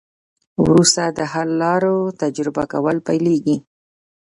وروسته د حل لارو تجربه کول پیلیږي.